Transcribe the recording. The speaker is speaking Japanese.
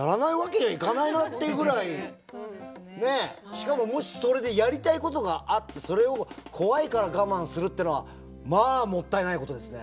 しかももしそれでやりたいことがあってそれを怖いからガマンするってのはまあもったいないことですね。